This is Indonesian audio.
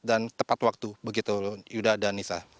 dan tepat waktu begitu yuda dan nisa